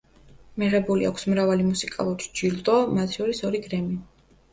მიღებული აქვს მრავალი მუსიკალური ჯილდო, მათ შორის ორი გრემი.